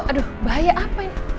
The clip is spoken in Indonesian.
aduh bahaya apa ini